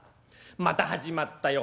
「また始まったよ